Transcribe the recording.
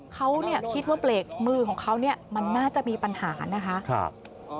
เขาคิดว่าเปรกมือของเขามันน่าจะมีปัญหานะครับ